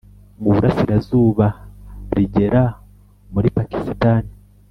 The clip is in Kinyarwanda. mu burasirazuba rigera muri pakisitani